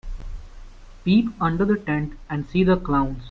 Peep under the tent and see the clowns.